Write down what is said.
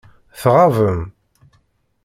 Tɣabem.